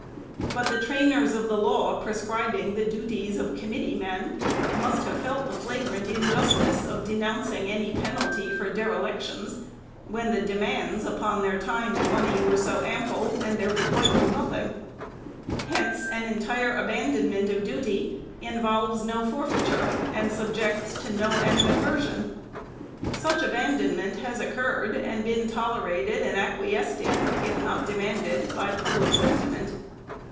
But the trainers of the law pre scribing the duties of committee men must have felt the FIRST ANNUAL REPORT. 407 flagrant injustice of denouncing any penalty for derelic tions, when the demands upon time and money were so ample, and the requital nothing. Hence an entire aban donment of duty involves no forfeiture, and subjects to no animadversion. Such abandonment has occurred, and been tolerated and acquiesced in, if not demanded, by public sentiment.